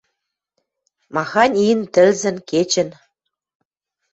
махань ин, тӹлзӹн, кечӹн